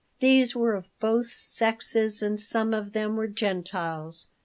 These were of both sexes and some of them were Gentiles.